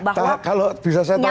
bahwa nyambungnya atau perlengketannya